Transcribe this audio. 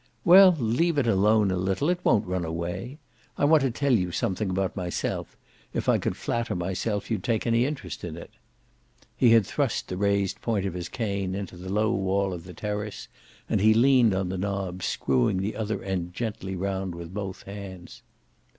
"Well, leave it alone a little it won't run away! I want to tell you something about myself, if I could flatter myself you'd take any interest in it." He had thrust the raised point of his cane into the low wall of the terrace, and he leaned on the knob, screwing the other end gently round with both hands.